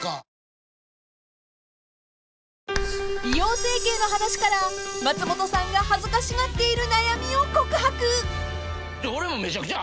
［美容整形の話から松本さんが恥ずかしがっている悩みを告白］